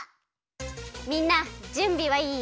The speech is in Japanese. みんなじゅんびはいい？